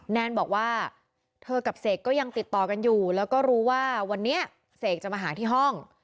แนนบอกว่าเธอกับเสกก็ยังติดต่อกันอยู่แล้วก็รู้ว่าวันนี้เสกจะมาหาที่ห้อง